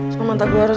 sama entah gua harus